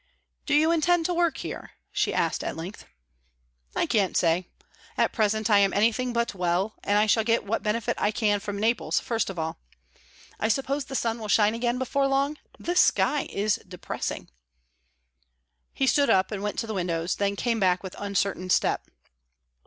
"Do you intend to work here?" she asked at length. "I can't say. At present I am anything but well, and I shall get what benefit I can from Naples first of all. I suppose the sun will shine again before long? This sky is depressing." He stood up, and went to the windows; then came back with uncertain step.